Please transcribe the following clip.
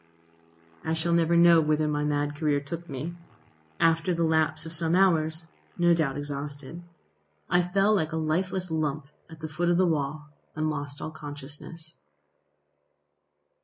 I shall never know whither my mad career took me. After the lapse of some hours, no doubt exhausted, I fell like a lifeless lump at the foot of the wall, and lost all consciousness.